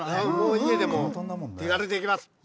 家でも手軽にできます。